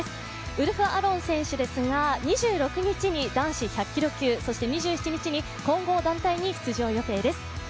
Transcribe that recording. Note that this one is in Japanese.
ウルフアロン選手ですが、２６日に男子１００キロ級そして、２７日に混合団体に出場予定です。